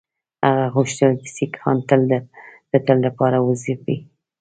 هغه غوښتل سیکهان د تل لپاره وځپي.